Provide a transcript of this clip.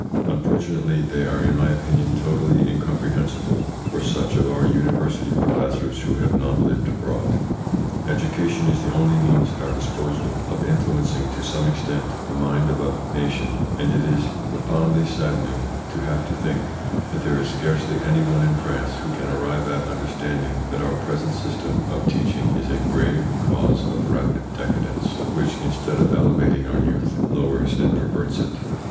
Unfortunately they are in my opinion totally incomprehensible for such of our university professors who have not lived abroad. Education is the only means at our disposal of influencing to some extent the mind of a nation, and it is profoundly saddening to have to think that there is scarcely any one in France who can arrive at understanding that our present system of teaching is a grave cause of rapid decadence, which instead of elevating our youth, lowers and perverts it.